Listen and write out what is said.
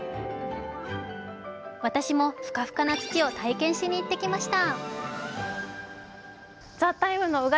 私もフカフカな土を体験しにいってきました。